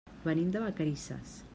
Venim de Vacarisses.